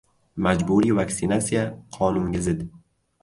Majburiy vaksinasiya qonunga zid